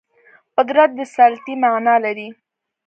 قدرت د سلطې معنا لري